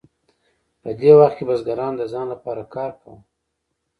په دې وخت کې بزګرانو د ځان لپاره کار کاوه.